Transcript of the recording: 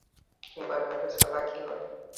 এবার আর চালাকি নয়।